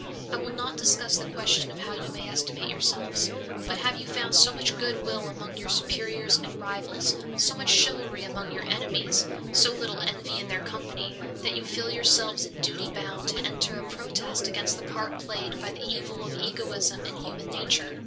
I will not discuss the question of how you may estimate yourselves, but have you found so much good will among your superiors and rivals, so much chivalry among your enemies, so little envy in their company, that you feel yourselves in duty bound to enter a protest against the part played by the evil of egoism in human nature?